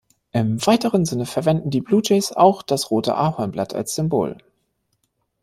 Im weiteren Sinne verwenden die Blue Jays auch das rote Ahornblatt als Symbol.